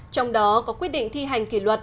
trong đó có quyết định thi hành kỷ luật